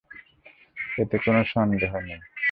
এতে কোন সন্দেহ নেই।